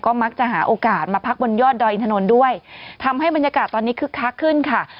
มักจะหาโอกาสมาพักบนยอดดอยอินถนนด้วยทำให้บรรยากาศตอนนี้คึกคักขึ้นค่ะ